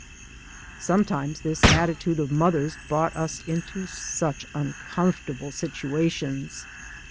" Sometimes this attitude of mother's brought us into such uncomfortable situa tions.